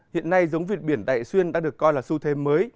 hiện nay giống vịt biển đại xuyên đã được coi là xu thế mới